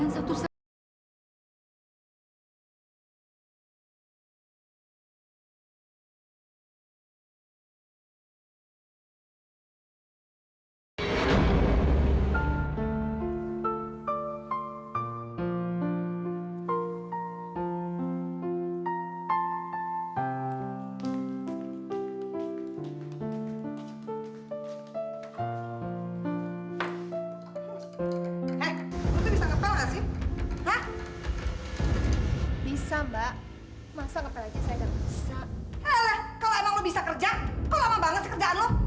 kalau emang lo bisa kerja kok lama banget sekerjaan lo